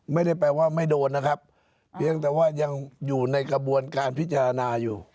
ไม่ได้แปลว่าไม่โดนนะครับเพียงแต่ว่ายังอยู่ในกระบวนการพิจารณาอยู่